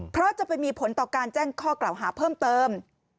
เพราะจะไปมีผลต่อการแจ้งข้อกล่าวหาเพิ่มเติม